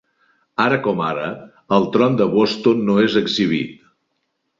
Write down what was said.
Ara com ara, el tron de Boston no és exhibit.